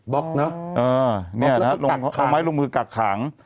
บล็อกเนอะ